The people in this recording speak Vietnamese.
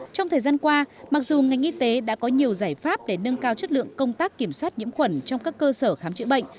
trong thời gian qua mặc dù ngành y tế đã có nhiều giải pháp để nâng cao chất lượng công tác kiểm soát nhiễm khuẩn trong các cơ sở khám chữa bệnh